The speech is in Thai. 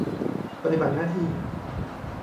ปฏิบัติหน้าที่